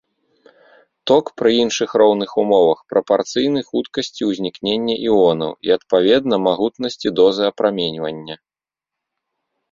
Ток пры іншых роўных умовах прапарцыйны хуткасці ўзнікнення іонаў і, адпаведна, магутнасці дозы апраменьвання.